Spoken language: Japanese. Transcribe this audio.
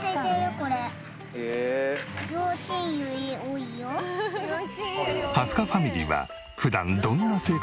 蓮香ファミリーは普段どんな生活を送っているのか？